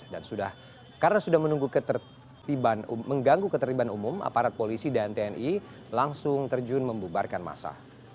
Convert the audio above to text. dan karena sudah menunggu mengganggu ketertiban umum aparat polisi dan tni langsung terjun membubarkan masa